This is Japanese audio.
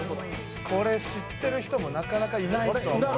「これ知ってる人もなかなかいないとは」